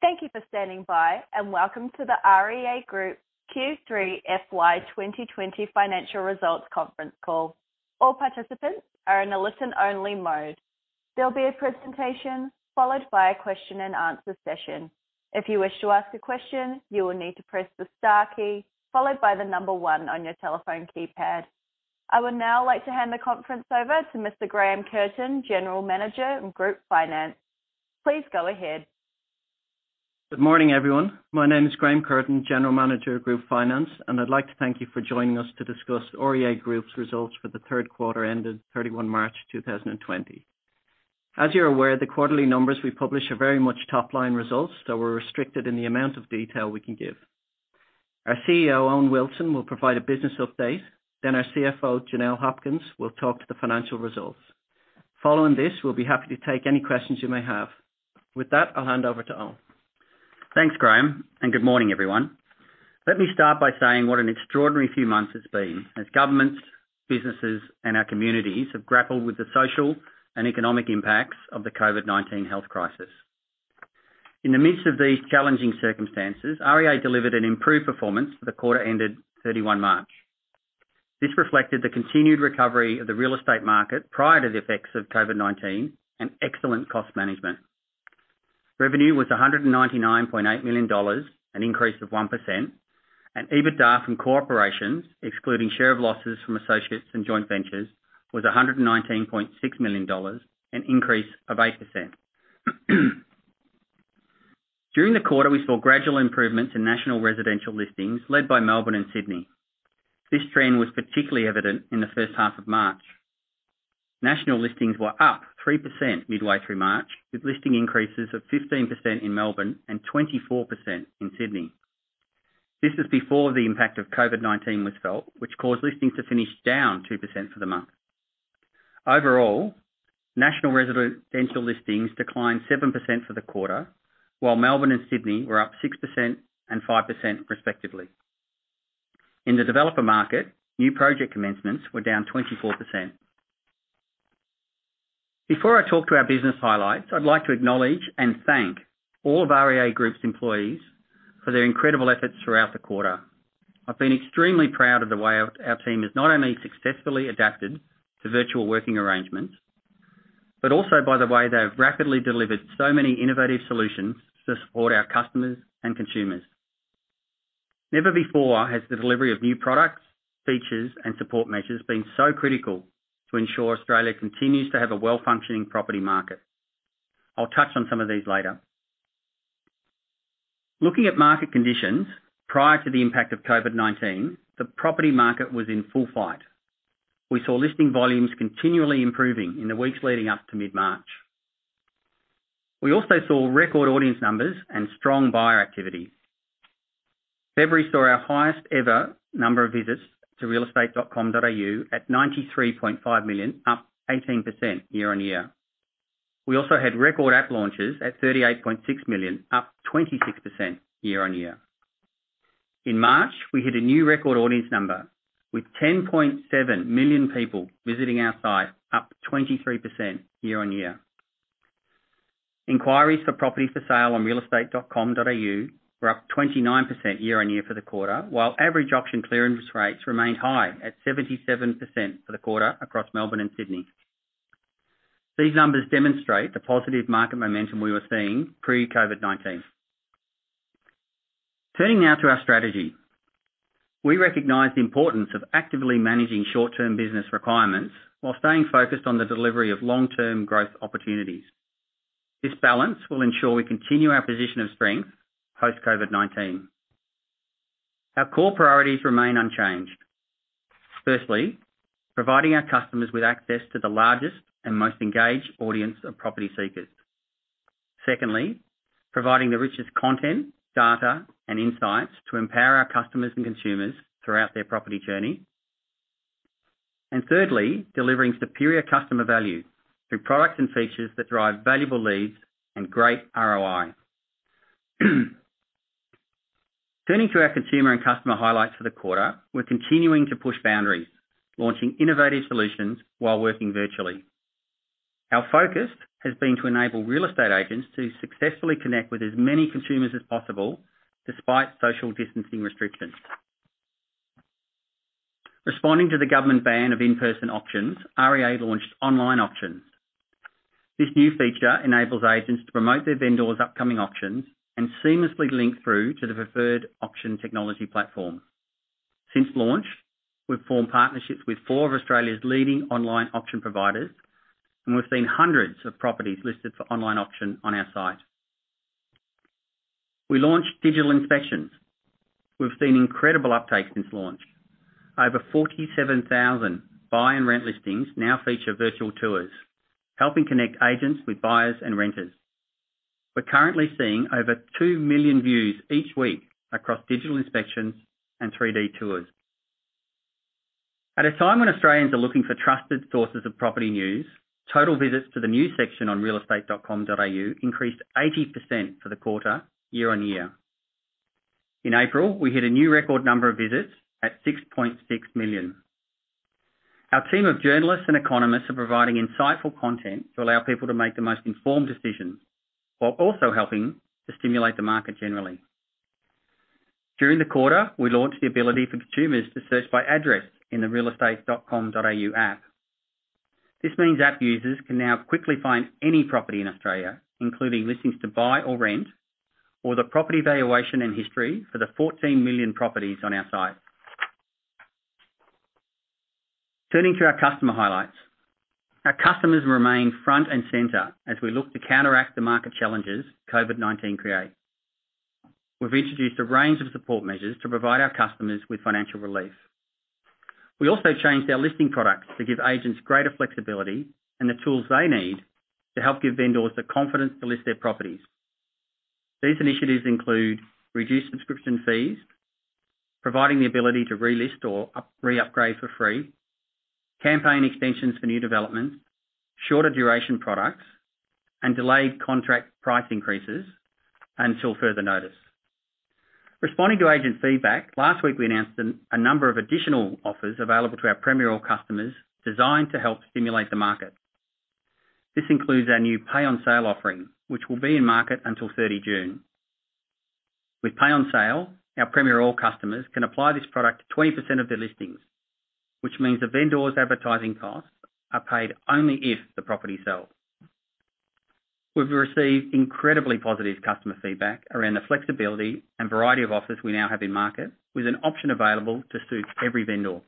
Thank you for standing by, and welcome to the REA Group Q3 FY 2020 financial results conference call. All participants are in a listen-only mode. There will be a presentation followed by a question-and-answer session. If you wish to ask a question, you will need to press the star key followed by the number one on your telephone keypad. I would now like to hand the conference over to Mr. Graham Curtin, General Manager of Group Finance. Please go ahead. Good morning, everyone. My name is Graham Curtin, General Manager of Group Finance, and I'd like to thank you for joining us to discuss REA Group's results for the third quarter ended 31 March 2020. As you're aware, the quarterly numbers we publish are very much top-line results, so we're restricted in the amount of detail we can give. Our CEO, Owen Wilson, will provide a business update, then our CFO, Janelle Hopkins, will talk to the financial results. Following this, we'll be happy to take any questions you may have. With that, I'll hand over to Owen. Thanks, Graham, and good morning, everyone. Let me start by saying what an extraordinary few months it's been as governments, businesses, and our communities have grappled with the social and economic impacts of the COVID-19 health crisis. In the midst of these challenging circumstances, REA delivered an improved performance for the quarter ended 31 March. This reflected the continued recovery of the real estate market prior to the effects of COVID-19 and excellent cost management. Revenue was 199.8 million dollars, an increase of 1%, and EBITDA from core operations, excluding share of losses from associates and joint ventures, was 119.6 million dollars, an increase of 8%. During the quarter, we saw gradual improvements in national residential listings led by Melbourne and Sydney. This trend was particularly evident in the first half of March. National listings were up 3% midway through March, with listing increases of 15% in Melbourne and 24% in Sydney. This was before the impact of COVID-19 was felt, which caused listings to finish down 2% for the month. Overall, national residential listings declined 7% for the quarter, while Melbourne and Sydney were up 6% and 5% respectively. In the developer market, new project commencements were down 24%. Before I talk to our business highlights, I'd like to acknowledge and thank all of REA Group's employees for their incredible efforts throughout the quarter. I've been extremely proud of the way our team has not only successfully adapted to virtual working arrangements, but also by the way they've rapidly delivered so many innovative solutions to support our customers and consumers. Never before has the delivery of new products, features, and support measures been so critical to ensure Australia continues to have a well-functioning property market. I'll touch on some of these later. Looking at market conditions prior to the impact of COVID-19, the property market was in full flight. We saw listing volumes continually improving in the weeks leading up to mid-March. We also saw record audience numbers and strong buyer activity. February saw our highest ever number of visits to realestate.com.au at 93.5 million, up 18% year-on-year. We also had record app launches at 38.6 million, up 26% year-on-year. In March, we hit a new record audience number with 10.7 million people visiting our site, up 23% year-on-year. Inquiries for property for sale on realestate.com.au were up 29% year-on-year for the quarter, while average auction clearance rates remained high at 77% for the quarter across Melbourne and Sydney. These numbers demonstrate the positive market momentum we were seeing pre-COVID-19. Turning now to our strategy, we recognize the importance of actively managing short-term business requirements while staying focused on the delivery of long-term growth opportunities. This balance will ensure we continue our position of strength post-COVID-19. Our core priorities remain unchanged. Firstly, providing our customers with access to the largest and most engaged audience of property seekers. Secondly, providing the richest content, data, and insights to empower our customers and consumers throughout their property journey. Thirdly, delivering superior customer value through products and features that drive valuable leads and great ROI. Turning to our consumer and customer highlights for the quarter, we're continuing to push boundaries, launching innovative solutions while working virtually. Our focus has been to enable real estate agents to successfully connect with as many consumers as possible despite social distancing restrictions. Responding to the government ban of in-person auctions, REA launched online auctions. This new feature enables agents to promote their vendors' upcoming auctions and seamlessly link through to the preferred auction technology platform. Since launch, we've formed partnerships with four of Australia's leading online auction providers, and we've seen hundreds of properties listed for online auction on our site. We launched digital inspections. We've seen incredible uptake since launch. Over 47,000 buy and rent listings now feature virtual tours, helping connect agents with buyers and renters. We're currently seeing over 2 million views each week across digital inspections and 3D tours. At a time when Australians are looking for trusted sources of property news, total visits to the news section on realestate.com.au increased 80% for the quarter year-on-year. In April, we hit a new record number of visits at 6.6 million. Our team of journalists and economists are providing insightful content to allow people to make the most informed decisions while also helping to stimulate the market generally. During the quarter, we launched the ability for consumers to search by address in the realestate.com.au app. This means app users can now quickly find any property in Australia, including listings to buy or rent, or the property valuation and history for the 14 million properties on our site. Turning to our customer highlights, our customers remain front and center as we look to counteract the market challenges COVID-19 creates. We've introduced a range of support measures to provide our customers with financial relief. We also changed our listing products to give agents greater flexibility and the tools they need to help give vendors the confidence to list their properties. These initiatives include reduced subscription fees, providing the ability to relist or re-upgrade for free, campaign extensions for new developments, shorter duration products, and delayed contract price increases until further notice. Responding to agent feedback, last week we announced a number of additional offers available to our Premiere All customers designed to help stimulate the market. This includes our new Pay on Sale offering, which will be in market until 30 June. With Pay on Sale, our Premiere All customers can apply this product to 20% of their listings, which means the vendors' advertising costs are paid only if the property is sold. We've received incredibly positive customer feedback around the flexibility and variety of offers we now have in market, with an option available to suit every vendor.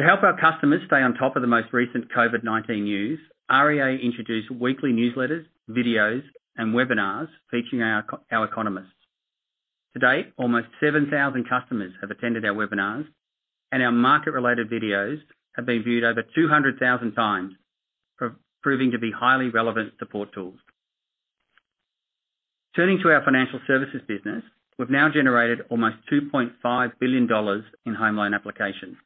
To help our customers stay on top of the most recent COVID-19 news, REA introduced weekly newsletters, videos, and webinars featuring our economists. To date, almost 7,000 customers have attended our webinars, and our market-related videos have been viewed over 200,000 times, proving to be highly relevant support tools. Turning to our financial services business, we have now generated almost 2.5 billion dollars in home loan applications.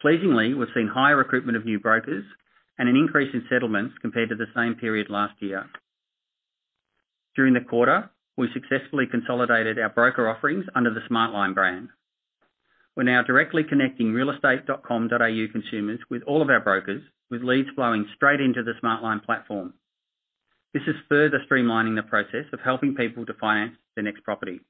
Pleasingly, we have seen higher recruitment of new brokers and an increase in settlements compared to the same period last year. During the quarter, we successfully consolidated our broker offerings under the Smartline brand. We are now directly connecting realestate.com.au consumers with all of our brokers, with leads flowing straight into the Smartline platform. This is further streamlining the process of helping people to finance their next property.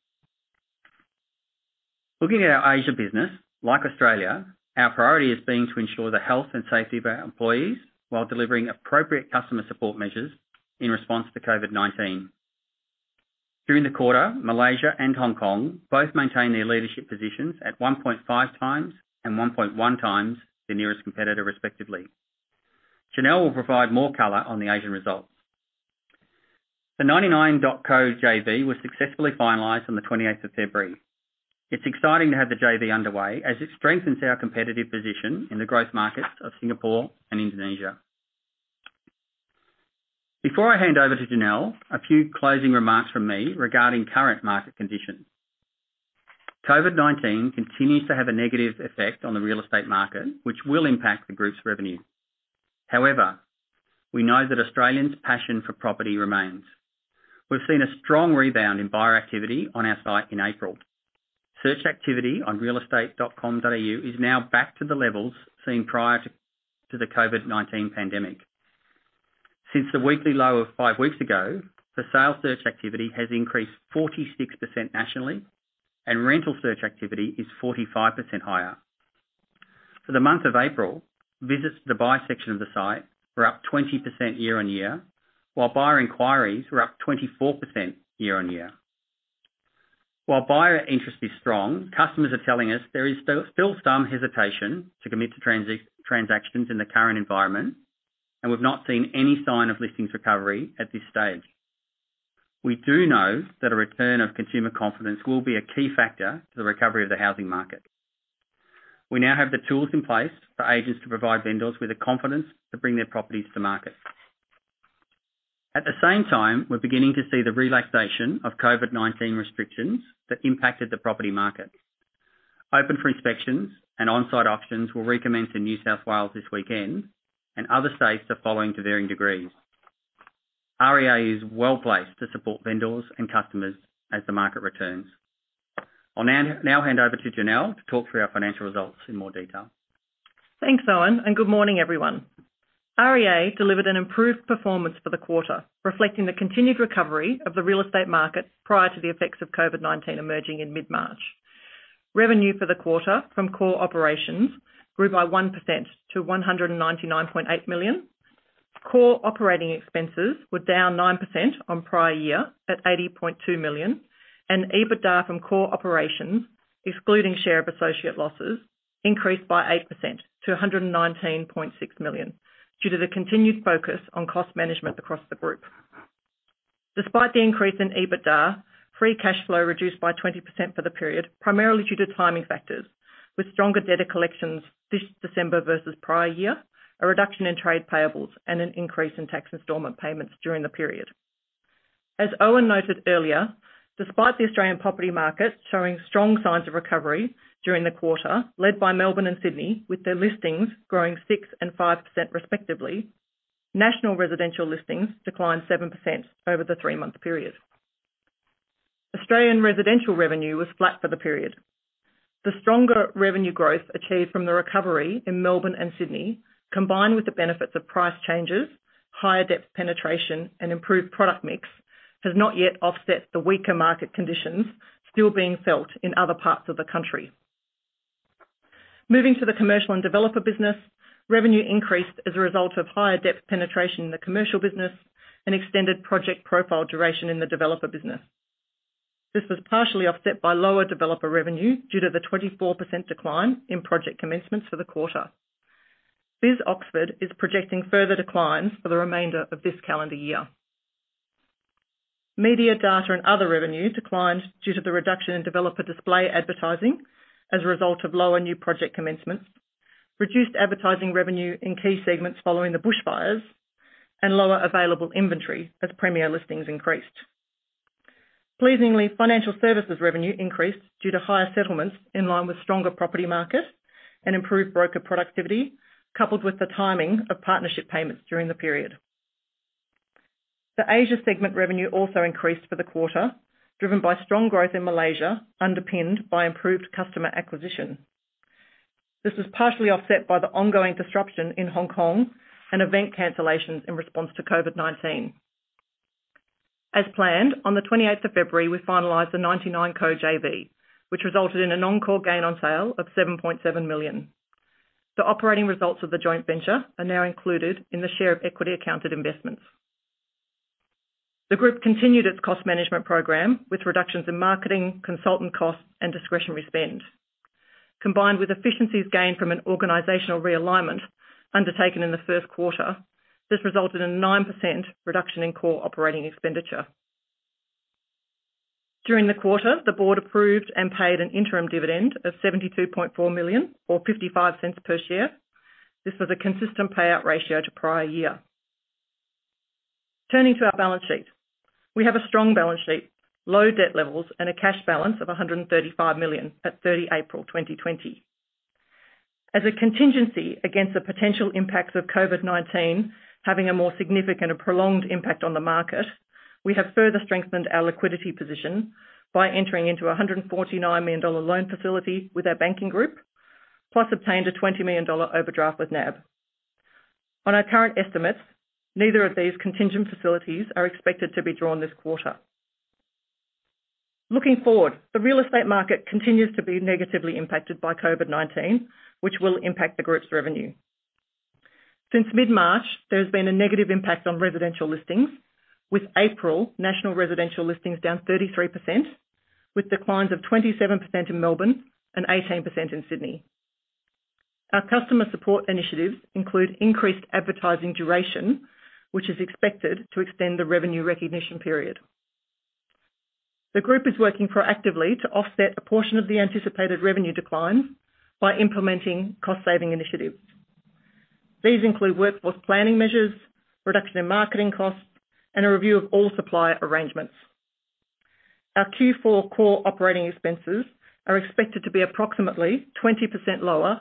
Looking at our Asia business, like Australia, our priority has been to ensure the health and safety of our employees while delivering appropriate customer support measures in response to COVID-19. During the quarter, Malaysia and Hong Kong both maintained their leadership positions at 1.5 times and 1.1 times their nearest competitor, respectively. Janelle will provide more color on the Asian results. The 99.co JV was successfully finalized on the 28th of February. It's exciting to have the JV underway as it strengthens our competitive position in the growth markets of Singapore and Indonesia. Before I hand over to Janelle, a few closing remarks from me regarding current market conditions. COVID-19 continues to have a negative effect on the real estate market, which will impact the group's revenue. However, we know that Australians' passion for property remains. We've seen a strong rebound in buyer activity on our site in April. Search activity on realestate.com.au is now back to the levels seen prior to the COVID-19 pandemic. Since the weekly low of five weeks ago, for sale search activity has increased 46% nationally, and rental search activity is 45% higher. For the month of April, visits to the buy section of the site were up 20% year-on-year, while buyer inquiries were up 24% year-on-year. While buyer interest is strong, customers are telling us there is still some hesitation to commit to transactions in the current environment, and we've not seen any sign of listings recovery at this stage. We do know that a return of consumer confidence will be a key factor to the recovery of the housing market. We now have the tools in place for agents to provide vendors with the confidence to bring their properties to market. At the same time, we're beginning to see the relaxation of COVID-19 restrictions that impacted the property market. Open for inspections and on-site auctions will recommence in New South Wales this weekend and other states the following to varying degrees. REA is well placed to support vendors and customers as the market returns. I'll now hand over to Janelle to talk through our financial results in more detail. Thanks, Owen, and good morning, everyone. REA delivered an improved performance for the quarter, reflecting the continued recovery of the real estate market prior to the effects of COVID-19 emerging in mid-March. Revenue for the quarter from core operations grew by 1% to 199.8 million. Core operating expenses were down 9% on prior year at 80.2 million, and EBITDA from core operations, excluding share of associate losses, increased by 8% to 119.6 million due to the continued focus on cost management across the group. Despite the increase in EBITDA, free cash flow reduced by 20% for the period, primarily due to timing factors, with stronger debtor collections this December versus prior year, a reduction in trade payables, and an increase in tax installment payments during the period. As Owen noted earlier, despite the Australian property market showing strong signs of recovery during the quarter, led by Melbourne and Sydney, with their listings growing 6% and 5% respectively, national residential listings declined 7% over the three-month period. Australian residential revenue was flat for the period. The stronger revenue growth achieved from the recovery in Melbourne and Sydney, combined with the benefits of price changes, higher depth penetration, and improved product mix, has not yet offset the weaker market conditions still being felt in other parts of the country. Moving to the commercial and developer business, revenue increased as a result of higher depth penetration in the commercial business and extended project profile duration in the developer business. This was partially offset by lower developer revenue due to the 24% decline in project commencements for the quarter. BIS Oxford is projecting further declines for the remainder of this calendar year. Media, data, and other revenue declined due to the reduction in developer display advertising as a result of lower new project commencements, reduced advertising revenue in key segments following the bushfires, and lower available inventory as Premiere listings increased. Pleasingly, financial services revenue increased due to higher settlements in line with stronger property market and improved broker productivity, coupled with the timing of partnership payments during the period. The Asia segment revenue also increased for the quarter, driven by strong growth in Malaysia, underpinned by improved customer acquisition. This was partially offset by the ongoing disruption in Hong Kong and event cancellations in response to COVID-19. As planned, on the 28th of February, we finalized the 99.co JV, which resulted in an on-call gain on sale of 7.7 million. The operating results of the joint venture are now included in the share of equity accounted investments. The group continued its cost management program with reductions in marketing, consultant costs, and discretionary spend. Combined with efficiencies gained from an organizational realignment undertaken in the first quarter, this resulted in a 9% reduction in core operating expenditure. During the quarter, the board approved and paid an interim dividend of 72.4 million, or 0.55 per share. This was a consistent payout ratio to prior year. Turning to our balance sheet, we have a strong balance sheet, low debt levels, and a cash balance of 135 million at 30 April 2020. As a contingency against the potential impacts of COVID-19 having a more significant and prolonged impact on the market, we have further strengthened our liquidity position by entering into an 149 million dollar loan facility with our banking group, plus obtained an 20 million dollar overdraft with NAB. On our current estimates, neither of these contingent facilities are expected to be drawn this quarter. Looking forward, the real estate market continues to be negatively impacted by COVID-19, which will impact the group's revenue. Since mid-March, there has been a negative impact on residential listings, with April national residential listings down 33%, with declines of 27% in Melbourne and 18% in Sydney. Our customer support initiatives include increased advertising duration, which is expected to extend the revenue recognition period. The group is working proactively to offset a portion of the anticipated revenue decline by implementing cost-saving initiatives. These include workforce planning measures, reduction in marketing costs, and a review of all supplier arrangements. Our Q4 core operating expenses are expected to be approximately 20% lower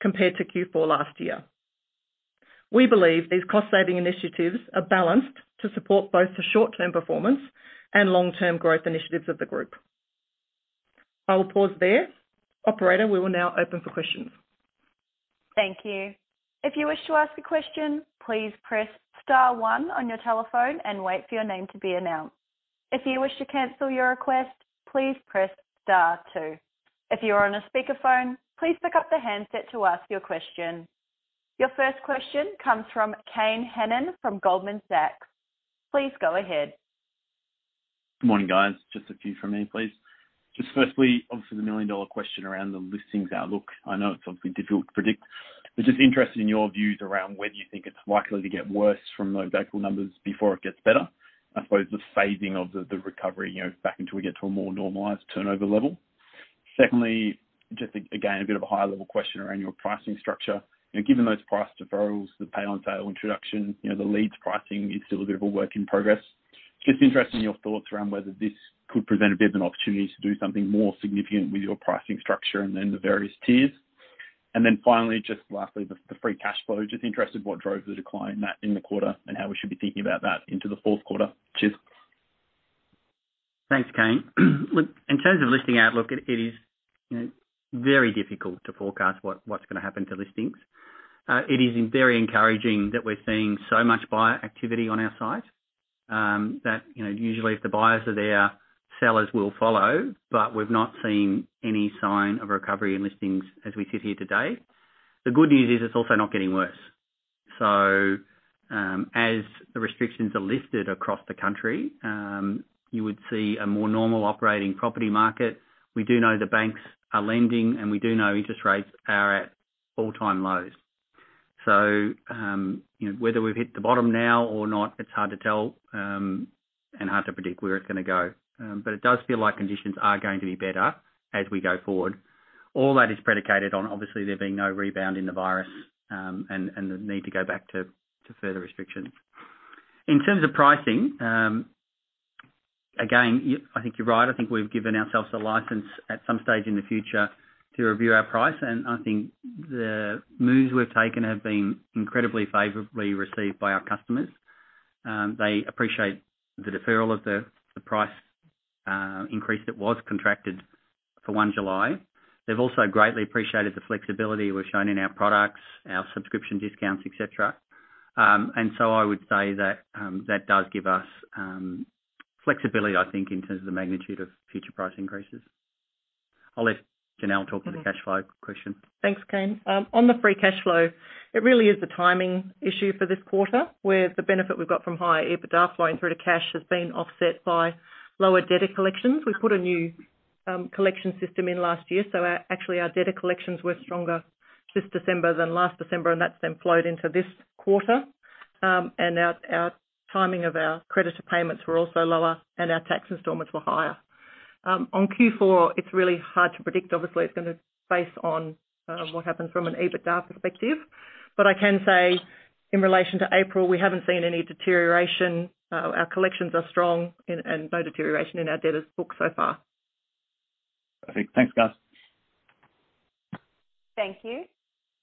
compared to Q4 last year. We believe these cost-saving initiatives are balanced to support both the short-term performance and long-term growth initiatives of the group. I will pause there. Operator, we will now open for questions. Thank you. If you wish to ask a question, please press star one on your telephone and wait for your name to be announced. If you wish to cancel your request, please press star two. If you are on a speakerphone, please pick up the handset to ask your question. Your first question comes from Kane Hannan from Goldman Sachs. Please go ahead. Good morning, guys. Just a few from me, please. Just firstly, obviously, the million-dollar question around the listings outlook. I know it's obviously difficult to predict, but just interested in your views around whether you think it's likely to get worse from the exact numbers before it gets better, I suppose the phasing of the recovery back until we get to a more normalized turnover level. Secondly, just again, a bit of a higher-level question around your pricing structure. Given those price deferrals, the Pay on Sale introduction, the leads pricing is still a bit of a work in progress. Just interested in your thoughts around whether this could present a bit of an opportunity to do something more significant with your pricing structure and then the various tiers. And then finally, just lastly, the free cash flow. Just interested in what drove the decline in the quarter and how we should be thinking about that into the fourth quarter. Cheers. Thanks, Kane. In terms of listing outlook, it is very difficult to forecast what's going to happen to listings. It is very encouraging that we're seeing so much buyer activity on our site that usually if the buyers are there, sellers will follow, but we've not seen any sign of recovery in listings as we sit here today. The good news is it's also not getting worse. As the restrictions are lifted across the country, you would see a more normal operating property market. We do know the banks are lending, and we do know interest rates are at all-time lows. Whether we've hit the bottom now or not, it's hard to tell and hard to predict where it's going to go. It does feel like conditions are going to be better as we go forward. All that is predicated on, obviously, there being no rebound in the virus and the need to go back to further restrictions. In terms of pricing, again, I think you're right. I think we've given ourselves a license at some stage in the future to review our price, and I think the moves we've taken have been incredibly favorably received by our customers. They appreciate the deferral of the price increase that was contracted for 1 July. They've also greatly appreciated the flexibility we've shown in our products, our subscription discounts, etc. I would say that that does give us flexibility, I think, in terms of the magnitude of future price increases. I'll let Janelle talk to the cash flow question. Thanks, Kane. On the free cash flow, it really is the timing issue for this quarter where the benefit we've got from higher EBITDA flowing through to cash has been offset by lower debtor collections. We put a new collection system in last year, so actually our debtor collections were stronger this December than last December, and that's then flowed into this quarter. Our timing of our creditor payments were also lower, and our tax installments were higher. On Q4, it's really hard to predict. Obviously, it's going to base on what happens from an EBITDA perspective. I can say in relation to April, we haven't seen any deterioration. Our collections are strong and no deterioration in our debtors' books so far. Perfect. Thanks, guys. Thank you.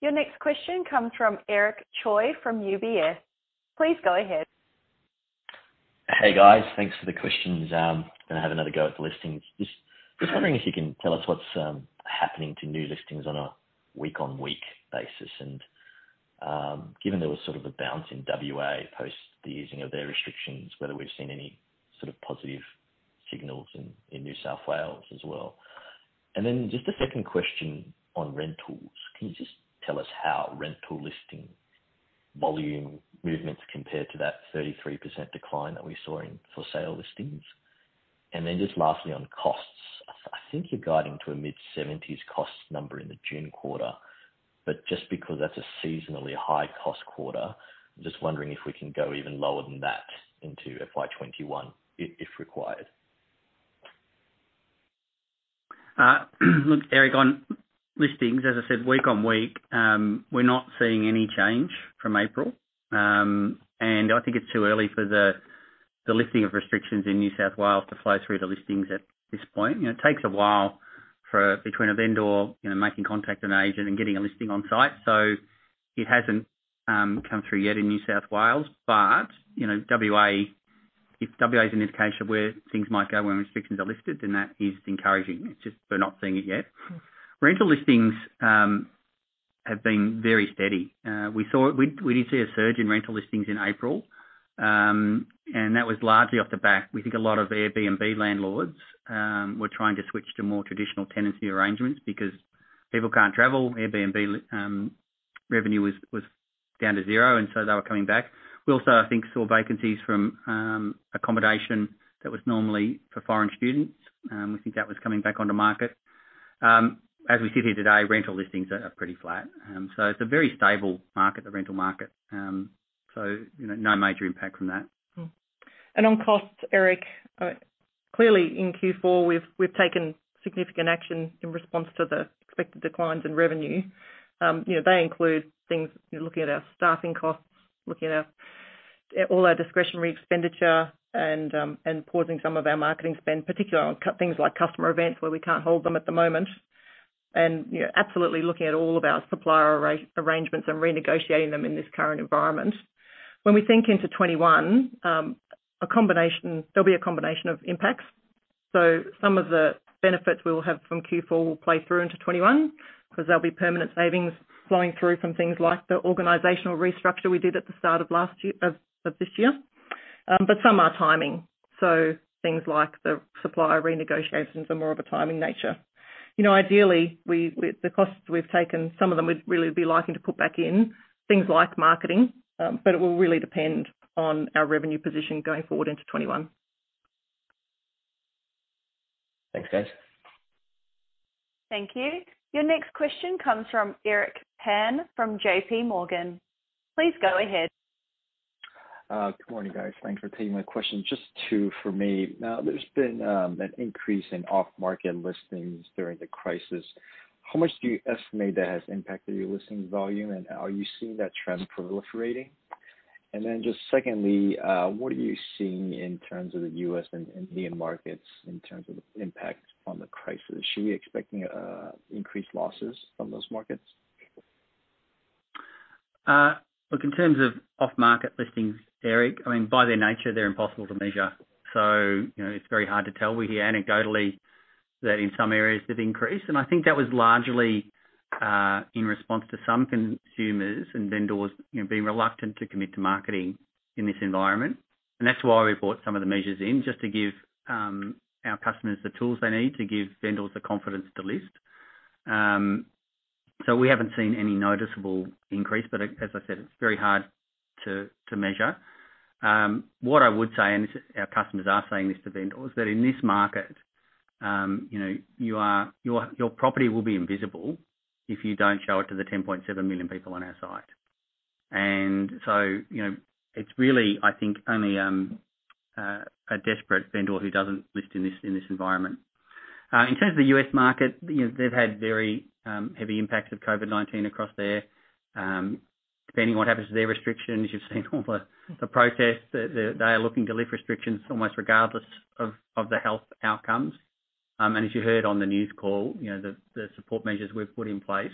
Your next question comes from Eric Choi from UBS. Please go ahead. Hey, guys. Thanks for the questions. I'm going to have another go at the listings. Just wondering if you can tell us what's happening to new listings on a week-on-week basis. Given there was sort of a bounce in Western Australia post the easing of their restrictions, whether we've seen any sort of positive signals in New South Wales as well. Just a second question on rentals. Can you just tell us how rental listing volume movements compare to that 33% decline that we saw in for sale listings? Just lastly on costs. I think you're guiding to a mid-70s cost number in the June quarter, but just because that's a seasonally high-cost quarter, I'm just wondering if we can go even lower than that into FY2021 if required. Look, Eric, on listings, as I said, week on week, we're not seeing any change from April. I think it's too early for the lifting of restrictions in New South Wales to flow through to listings at this point. It takes a while between a vendor making contact with an agent and getting a listing on site. It hasn't come through yet in New South Wales. If Western Australia is an indication of where things might go when restrictions are lifted, that is encouraging. It's just we're not seeing it yet. Rental listings have been very steady. We did see a surge in rental listings in April, and that was largely off the back. We think a lot of Airbnb landlords were trying to switch to more traditional tenancy arrangements because people can't travel. Airbnb revenue was down to zero, and they were coming back. We also, I think, saw vacancies from accommodation that was normally for foreign students. We think that was coming back on the market. As we sit here today, rental listings are pretty flat. It is a very stable market, the rental market. No major impact from that. On costs, Eric, clearly in Q4, we've taken significant action in response to the expected declines in revenue. They include things like looking at our staffing costs, looking at all our discretionary expenditure, and pausing some of our marketing spend, particularly on things like customer events where we can't hold them at the moment. Absolutely looking at all of our supplier arrangements and renegotiating them in this current environment. When we think into 2021, there'll be a combination of impacts. Some of the benefits we will have from Q4 will play through into 2021 because there'll be permanent savings flowing through from things like the organizational restructure we did at the start of this year. Some are timing. Things like the supplier renegotiations are more of a timing nature. Ideally, the costs we've taken, some of them we'd really be liking to put back in, things like marketing. It will really depend on our revenue position going forward into 2021. Thanks, guys. Thank you. Your next question comes from Eric Pine from JPMorgan. Please go ahead. Good morning, guys. Thanks for taking my question. Just two for me. There's been an increase in off-market listings during the crisis. How much do you estimate that has impacted your listing volume, and are you seeing that trend proliferating? Just secondly, what are you seeing in terms of the U.S. and Indian markets in terms of impact on the crisis? Should we be expecting increased losses from those markets? Look, in terms of off-market listings, Eric, I mean, by their nature, they're impossible to measure. It is very hard to tell. We hear anecdotally that in some areas they've increased. I think that was largely in response to some consumers and vendors being reluctant to commit to marketing in this environment. That is why we brought some of the measures in, just to give our customers the tools they need to give vendors the confidence to list. We haven't seen any noticeable increase, but as I said, it is very hard to measure. What I would say, and our customers are saying this to vendors, is that in this market, your property will be invisible if you do not show it to the 10.7 million people on our site. It is really, I think, only a desperate vendor who does not list in this environment. In terms of the U.S. market, they've had very heavy impacts of COVID-19 across there. Depending on what happens to their restrictions, you've seen all the protests. They are looking to lift restrictions almost regardless of the health outcomes. As you heard on the news call, the support measures we've put in place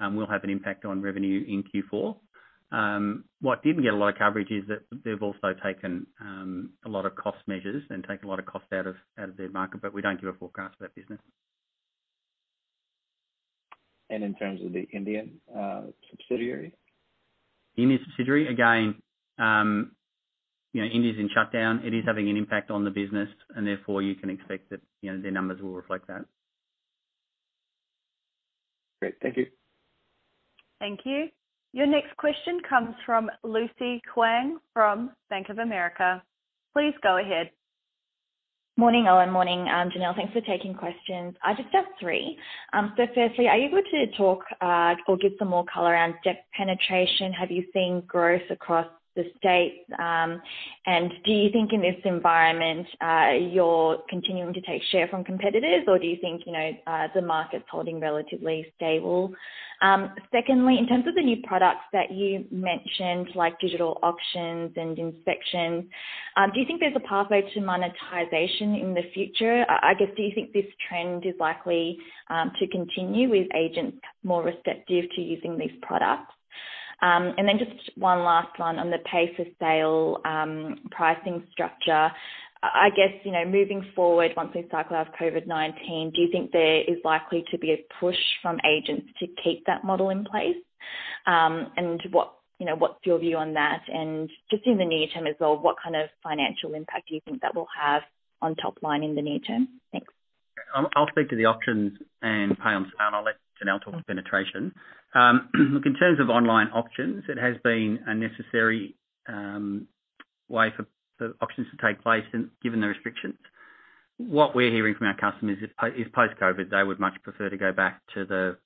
will have an impact on revenue in Q4. What did not get a lot of coverage is that they've also taken a lot of cost measures and taken a lot of cost out of their market, but we do not give a forecast for that business. In terms of the Indian subsidiary? Indian subsidiary, again, India is in shutdown. It is having an impact on the business, and therefore you can expect that their numbers will reflect that. Great. Thank you. Thank you. Your next question comes from Lucy Hoang from Bank of America. Please go ahead. Morning, Owen. Morning, Janelle. Thanks for taking questions. I just have three. Firstly, are you able to talk or give some more color around debt penetration? Have you seen growth across the state? Do you think in this environment you're continuing to take share from competitors, or do you think the market's holding relatively stable? Secondly, in terms of the new products that you mentioned, like digital auctions and inspections, do you think there's a pathway to monetization in the future? I guess, do you think this trend is likely to continue with agents more receptive to using these products? Just one last one on the pace of sale pricing structure. I guess moving forward, once we cycle out COVID-19, do you think there is likely to be a push from agents to keep that model in place? What's your view on that? Just in the near term as well, what kind of financial impact do you think that will have on top line in the near term? Thanks. I'll speak to the options and Pay on Sale, and I'll let Janelle talk to penetration. Look, in terms of online auctions, it has been a necessary way for auctions to take place given the restrictions. What we're hearing from our customers is post-COVID, they would much prefer to go back to the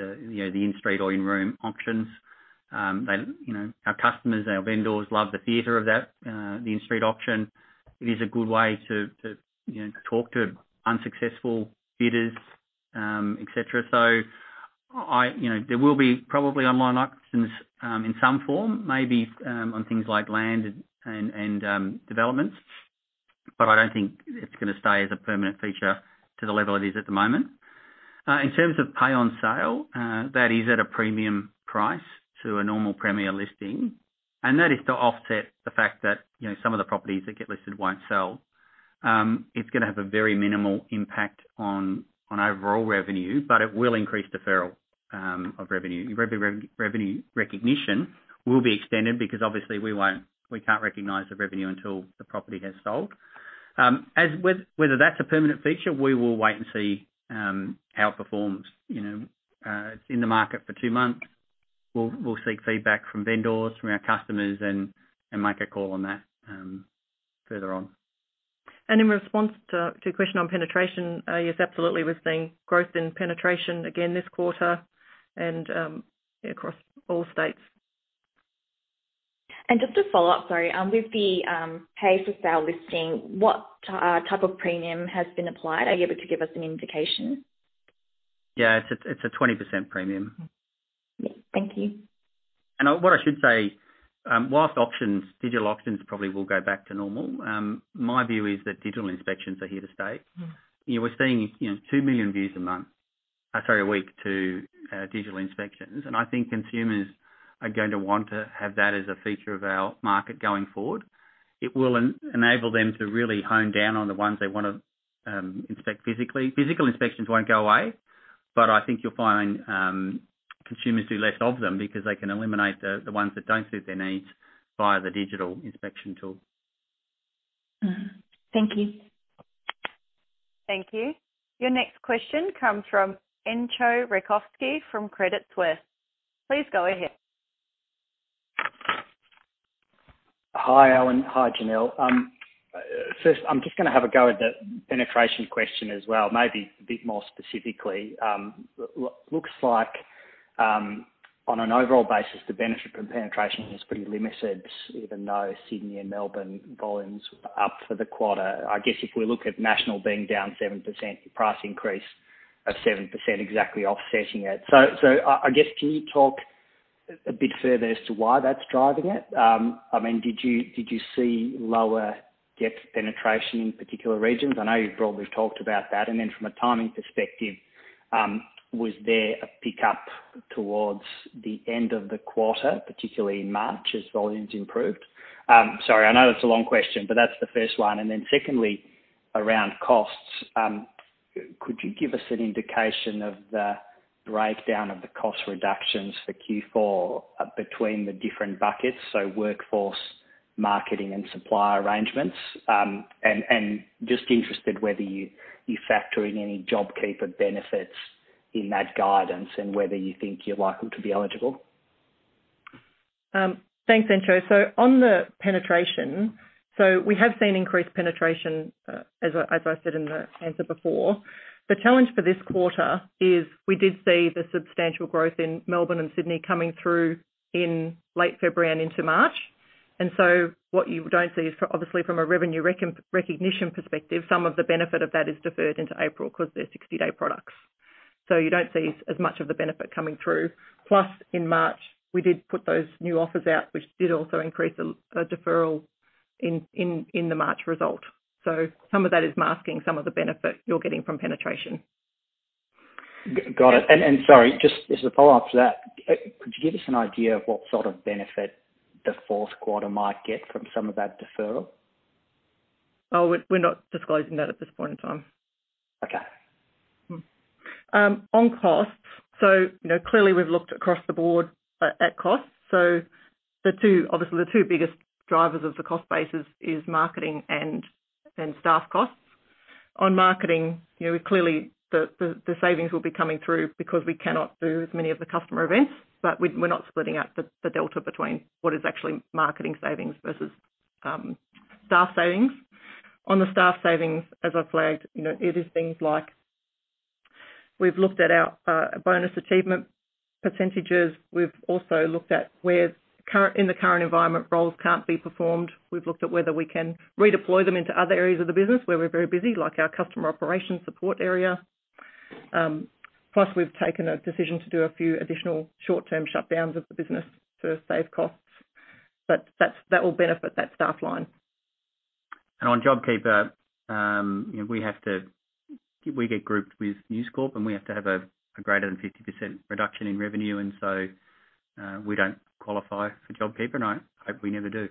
in-street or in-room auctions. Our customers, our vendors love the theater of that, the in-street auction. It is a good way to talk to unsuccessful bidders, etc. There will be probably online auctions in some form, maybe on things like land and developments, but I don't think it's going to stay as a permanent feature to the level it is at the moment. In terms of Pay on Sale, that is at a premium price to a normal Premiere listing. That is to offset the fact that some of the properties that get listed won't sell. It's going to have a very minimal impact on overall revenue, but it will increase deferral of revenue. Revenue recognition will be extended because obviously we can't recognize the revenue until the property has sold. Whether that's a permanent feature, we will wait and see how it performs. It's in the market for two months. We'll seek feedback from vendors, from our customers, and make a call on that further on. In response to the question on penetration, yes, absolutely. We're seeing growth in penetration again this quarter and across all states. Just to follow up, sorry, with the pay to sale listing, what type of premium has been applied? Are you able to give us an indication? Yeah, it's a 20% premium. Thank you. What I should say, whilst auctions, digital auctions probably will go back to normal. My view is that digital inspections are here to stay. We're seeing 2 million views a week to digital inspections. I think consumers are going to want to have that as a feature of our market going forward. It will enable them to really hone down on the ones they want to inspect physically. Physical inspections won't go away, but I think you'll find consumers do less of them because they can eliminate the ones that don't suit their needs via the digital inspection tool. Thank you. Thank you. Your next question comes from Entcho Raykovski from Credit Suisse. Please go ahead. Hi, Owen. Hi, Janelle. First, I'm just going to have a go at the penetration question as well, maybe a bit more specifically. Looks like on an overall basis, the benefit from penetration is pretty limited, even though Sydney and Melbourne volumes are up for the quarter. I guess if we look at national being down 7%, the price increase of 7% exactly offsetting it. I guess, can you talk a bit further as to why that's driving it? I mean, did you see lower debt penetration in particular regions? I know you've broadly talked about that. From a timing perspective, was there a pickup towards the end of the quarter, particularly in March, as volumes improved? Sorry, I know that's a long question, but that's the first one. Secondly, around costs, could you give us an indication of the breakdown of the cost reductions for Q4 between the different buckets, so workforce, marketing, and supplier arrangements? I am just interested whether you factor in any job keeper benefits in that guidance and whether you think you are likely to be eligible. Thanks, Entcho. On the penetration, we have seen increased penetration, as I said in the answer before. The challenge for this quarter is we did see the substantial growth in Melbourne and Sydney coming through in late February and into March. What you do not see is, obviously, from a revenue recognition perspective, some of the benefit of that is deferred into April because they are 60-day products. You do not see as much of the benefit coming through. Plus, in March, we did put those new offers out, which did also increase a deferral in the March result. Some of that is masking some of the benefit you are getting from penetration. Got it. Sorry, just as a follow-up to that, could you give us an idea of what sort of benefit the fourth quarter might get from some of that deferral? Oh, we're not disclosing that at this point in time. Okay. On costs, so clearly we've looked across the board at costs. Obviously, the two biggest drivers of the cost basis is marketing and staff costs. On marketing, clearly, the savings will be coming through because we cannot do as many of the customer events. We're not splitting out the delta between what is actually marketing savings versus staff savings. On the staff savings, as I flagged, it is things like we've looked at our bonus achievement percentages. We've also looked at where in the current environment roles can't be performed. We've looked at whether we can redeploy them into other areas of the business where we're very busy, like our customer operations support area. Plus, we've taken a decision to do a few additional short-term shutdowns of the business to save costs. That will benefit that staff line. On job keeper, we get grouped with News Corp, and we have to have a greater than 50% reduction in revenue. We do not qualify for job keeper, and we never do.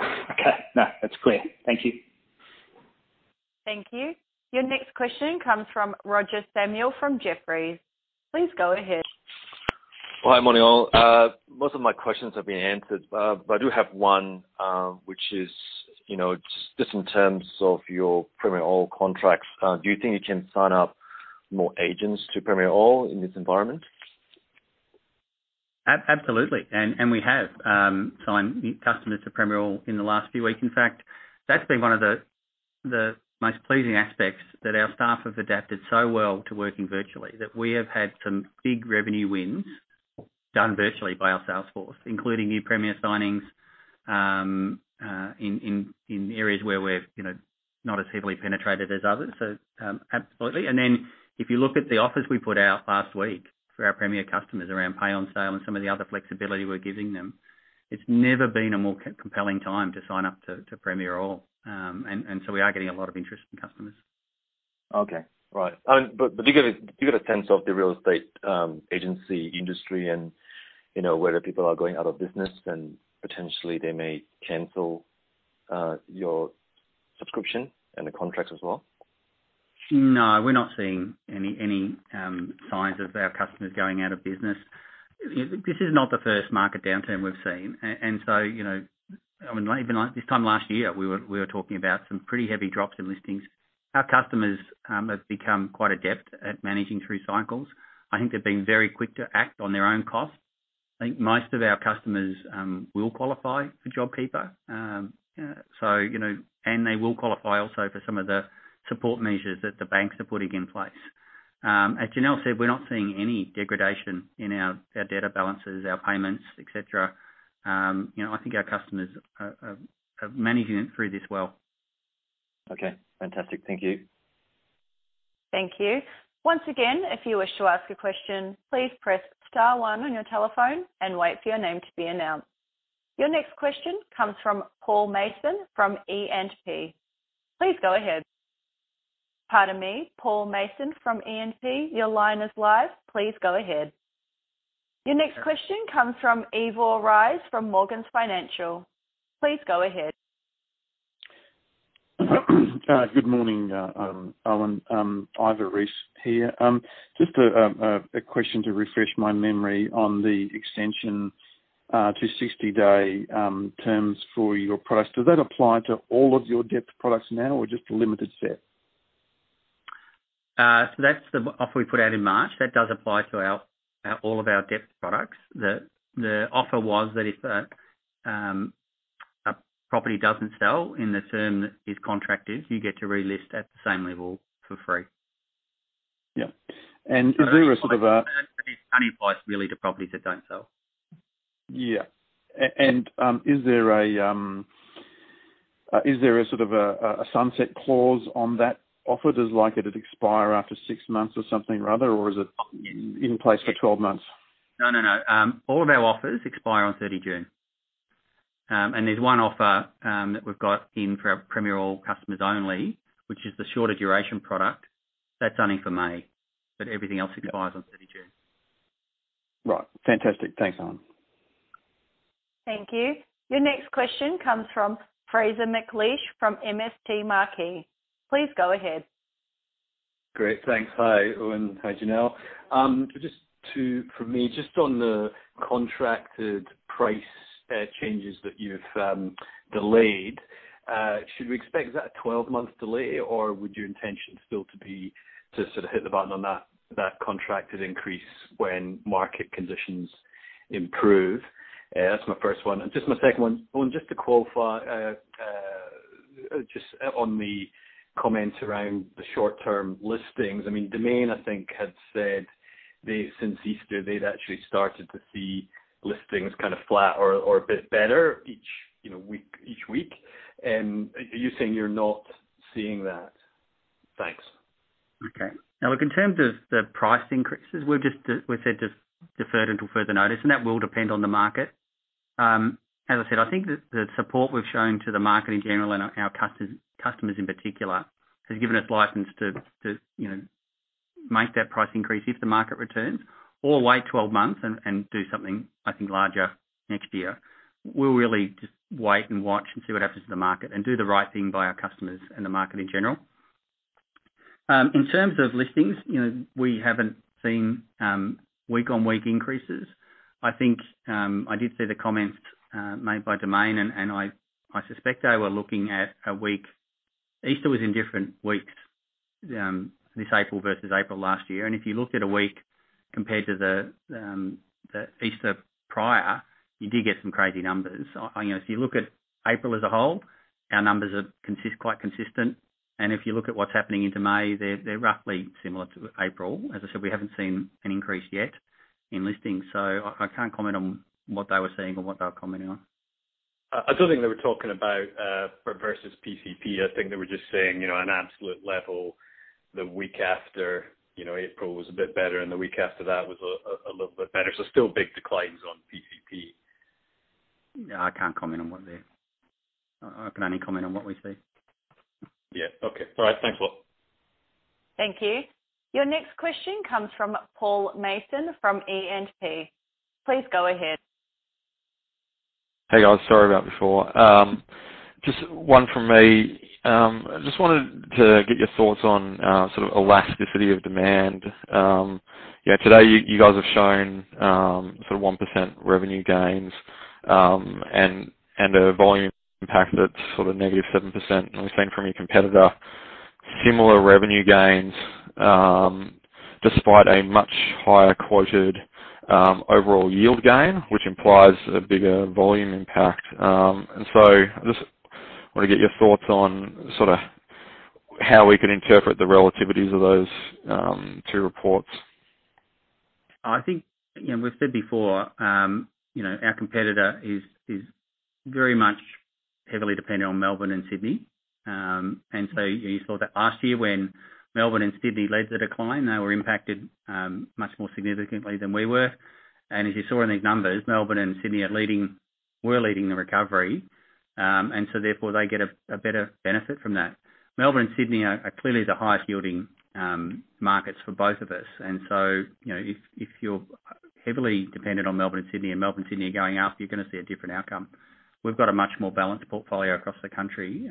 Okay. No, that's clear. Thank you. Thank you. Your next question comes from Roger Samuel from Jefferies. Please go ahead. Hi, morning all. Most of my questions have been answered, but I do have one, which is just in terms of your Premiere All contracts. Do you think you can sign up more agents to Premiere All in this environment? Absolutely. We have signed customers to Premiere All in the last few weeks. In fact, that's been one of the most pleasing aspects, that our staff have adapted so well to working virtually that we have had some big revenue wins done virtually by our sales force, including new Premiere signings in areas where we're not as heavily penetrated as others. Absolutely. If you look at the offers we put out last week for our Premiere customers around Pay on Sale and some of the other flexibility we're giving them, it's never been a more compelling time to sign up to Premiere All. We are getting a lot of interest from customers. Okay. Right. Do you get a sense of the real estate agency industry and whether people are going out of business and potentially they may cancel your subscription and the contracts as well? No, we're not seeing any signs of our customers going out of business. This is not the first market downturn we've seen. I mean, even this time last year, we were talking about some pretty heavy drops in listings. Our customers have become quite adept at managing through cycles. I think they've been very quick to act on their own costs. I think most of our customers will qualify for job keeper. They will qualify also for some of the support measures that the banks are putting in place. As Janelle said, we're not seeing any degradation in our debt balances, our payments, etc. I think our customers are managing it through this well. Okay. Fantastic. Thank you. Thank you. Once again, if you wish to ask a question, please press star one on your telephone and wait for your name to be announced. Your next question comes from Paul Mason from E&P. Please go ahead. Pardon me. Paul Mason from E&P, your line is live. Please go ahead. Your next question comes from Ivor Ries from Morgans Financial. Please go ahead. Good morning, Owen. Ivor Ries here. Just a question to refresh my memory on the extension to 60-day terms for your products. Does that apply to all of your debt products now or just a limited set? That is the offer we put out in March. That does apply to all of our debt products. The offer was that if a property does not sell in the term that is contracted, you get to relist at the same level for free. Yeah. Is there a sort of a? It's a money price, really, to properties that don't sell. Yeah. Is there a sort of a sunset clause on that offer? Does it expire after six months or something rather, or is it in place for 12 months? No, no, no. All of our offers expire on 30 June. There is one offer that we have got in for our Premiere All customers only, which is the shorter duration product. That is only for May, but everything else expires on 30 June. Right. Fantastic. Thanks, Owen. Thank you. Your next question comes from Fraser McLeish from MST Marquee. Please go ahead. Great. Thanks. Hi, Owen. Hi, Janelle. Just for me, just on the contracted price changes that you've delayed, should we expect that 12-month delay, or would your intention still be to sort of hit the button on that contracted increase when market conditions improve? That's my first one. Just my second one, Owen, just to qualify, just on the comments around the short-term listings, I mean, Domain, I think, had said since Easter, they'd actually started to see listings kind of flat or a bit better each week. You're saying you're not seeing that? Thanks. Okay. Now, look, in terms of the price increases, we've said to defer until further notice, and that will depend on the market. As I said, I think that the support we've shown to the market in general and our customers in particular has given us license to make that price increase if the market returns or wait 12 months and do something, I think, larger next year. We'll really just wait and watch and see what happens to the market and do the right thing by our customers and the market in general. In terms of listings, we haven't seen week-on-week increases. I think I did see the comments made by Domain, and I suspect they were looking at a week Easter was in different weeks, this April versus April last year. If you looked at a week compared to the Easter prior, you did get some crazy numbers. If you look at April as a whole, our numbers are quite consistent. If you look at what is happening into May, they are roughly similar to April. As I said, we have not seen an increase yet in listings. I cannot comment on what they were saying or what they were commenting on. I thought they were talking about versus PCP. I think they were just saying on absolute level, the week after April was a bit better, and the week after that was a little bit better. Still big declines on PCP. Yeah, I can't comment on what they—I can only comment on what we see. Yeah. Okay. All right. Thanks a lot. Thank you. Your next question comes from Paul Mason from E&P. Please go ahead. Hey, guys. Sorry about before. Just one from me. Just wanted to get your thoughts on sort of elasticity of demand. Yeah, today you guys have shown sort of 1% revenue gains and a volume impact that's sort of negative 7%. And we've seen from your competitor similar revenue gains despite a much higher quoted overall yield gain, which implies a bigger volume impact. I just want to get your thoughts on sort of how we can interpret the relativities of those two reports. I think we've said before our competitor is very much heavily dependent on Melbourne and Sydney. You saw that last year when Melbourne and Sydney led the decline, they were impacted much more significantly than we were. As you saw in these numbers, Melbourne and Sydney were leading the recovery. Therefore, they get a better benefit from that. Melbourne and Sydney are clearly the highest yielding markets for both of us. If you're heavily dependent on Melbourne and Sydney and Melbourne and Sydney are going up, you're going to see a different outcome. We've got a much more balanced portfolio across the country.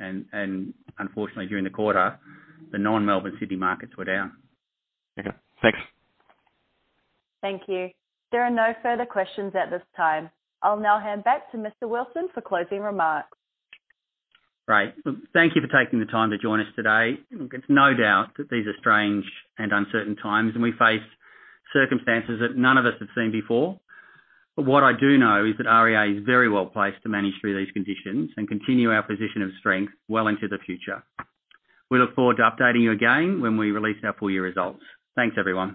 Unfortunately, during the quarter, the non-Melbourne and Sydney markets were down. Okay. Thanks. Thank you. There are no further questions at this time. I'll now hand back to Mr. Wilson for closing remarks. Great. Thank you for taking the time to join us today. Look, it's no doubt that these are strange and uncertain times, and we face circumstances that none of us have seen before. What I do know is that REA is very well placed to manage through these conditions and continue our position of strength well into the future. We look forward to updating you again when we release our full year results. Thanks, everyone.